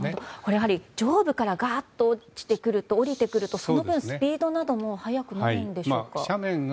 やはり上部からガッと降りてくるとその分スピードなども速くなるんでしょうか。